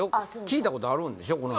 聞いたことあるんでしょ？